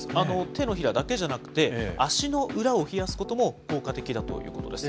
手のひらだけじゃなくて、足の裏を冷やすことも効果的だということです。